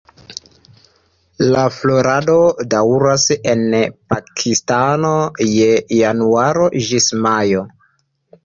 La florado daŭras en Pakistano de januaro ĝis majo.